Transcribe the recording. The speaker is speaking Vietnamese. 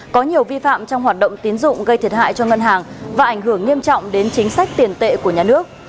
có nhiều vi phạm trong hoạt động tiến dụng gây thiệt hại cho ngân hàng và ảnh hưởng nghiêm trọng đến chính sách tiền tệ của nhà nước